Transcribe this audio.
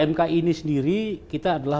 mk ini sendiri kita adalah